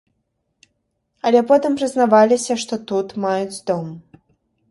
Але потым прызнаваліся, што тут маюць дом.